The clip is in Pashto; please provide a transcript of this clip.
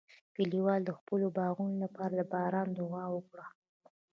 کلیوال د خپلو باغونو لپاره د باران دعا وکړه.